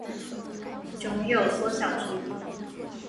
酉有缩小之意。